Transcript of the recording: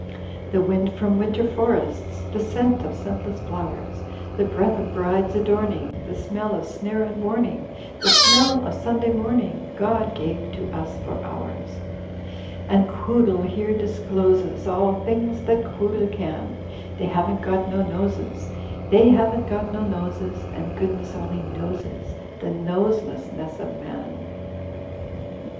''The wind from winter forests. The scent of scentless flowers. The breath of bride's adorning, The smell of snare and warning. The smell of Sunday morning, God gave to us for ours. *Digitizecfty Google THE SONGS OF THE CAR CLUB 185 "And Quoodle here discloses All things that Quoodle can; They haven't got no noses, They haven't got no noses. And goodness only knowses The Noselessness of Man."